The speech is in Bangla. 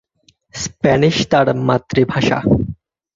স্প্যানিশ তাঁর মাতৃভাষা।